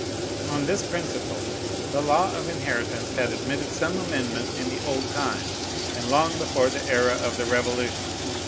On this principle, the law of inheritance had admitted some amendment in the old time, and long before the era of the Revolution.